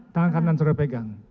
tangan kanan sudah pegang